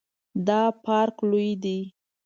دا پارک لوی ده